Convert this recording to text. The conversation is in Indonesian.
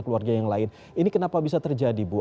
keluarga yang lain ini kenapa bisa terjadi bu